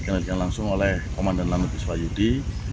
hal ini dikenalkan langsung oleh komandan lanut iswayu di